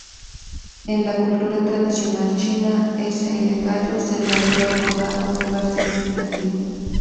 En la cultura tradicional china, sl gallo se le había otorgado un lugar significativo.